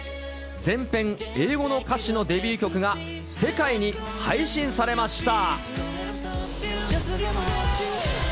全編英語の歌詞のデビュー曲が世界に配信されました。